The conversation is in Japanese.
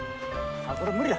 あっこれ無理だ。